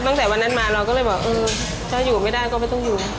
ตั้งแต่วันนั้นมาเราก็เลยบอกเออถ้าอยู่ไม่ได้ก็ไม่ต้องอยู่